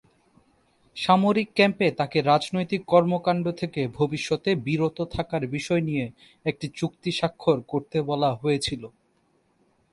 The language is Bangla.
সামরিক ক্যাম্পে তাকে রাজনৈতিক কর্মকাণ্ড থেকে ভবিষ্যতে বিরত থাকার বিষয় নিয়ে একটি চুক্তি স্বাক্ষর করতে বলা হয়েছিল।